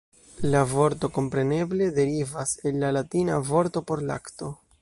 La vorto kompreneble derivas el la latina vorto por lakto.